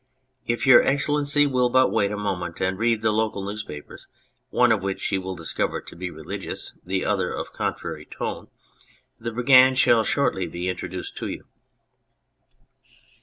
If your Excellency will but wait a moment and read the local news papers, one of which he will discover to be religious, the other of contrary tone, the Brigand shall shortly be introduced to you."